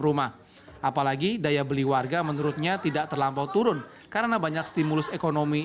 rumah apalagi daya beli warga menurutnya tidak terlampau turun karena banyak stimulus ekonomi